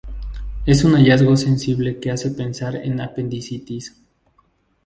Es un hallazgo sensible que hace pensar en apendicitis.